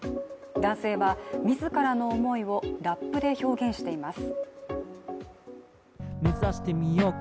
男性は自らの思いをラップで表現しています。